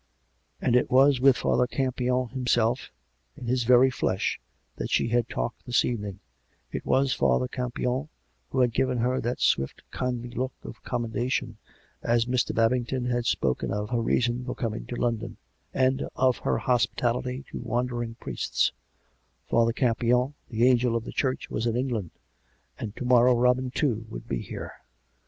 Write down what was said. ... And it was with Father Campion himself, in his very flesh, that s'he had talked this evening — it was Father Campion who had given her that swift, kindly look of commendation, as Mr. Babington had spoken of her reason for coming to London, and of her hospitality to wan dering priests — Father Campion, the Angel of the Church, was in England. And to morrow Robin, too, would be here.